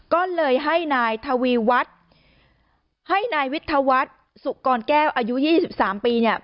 ก็เลยให้นายทวีวัฒน์ให้นายวิทยาวัฒน์สุกรแก้วอายุ๒๓ปีเนี่ย